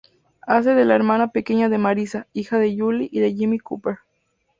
Hace de la hermana pequeña de Marissa, hija de Julie y de Jimmy Cooper.